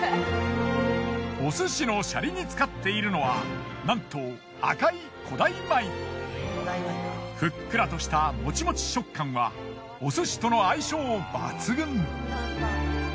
お寿司のシャリに使っているのはなんとふっくらとしたモチモチ食感はお寿司との相性抜群。